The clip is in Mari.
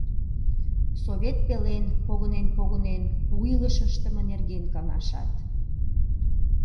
Совет пелен, погынен-погынен, у илыш ыштыме нерген каҥашат.